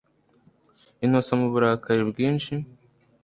Innocent muburakari bwinshi